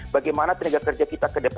bagaimana tenaga kerja kita ke depan